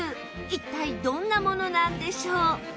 一体どんなものなんでしょう？